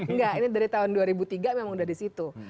enggak ini dari tahun dua ribu tiga memang udah di situ